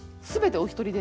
お一人で？